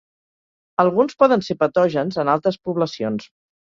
Alguns poden ser patògens en altes poblacions.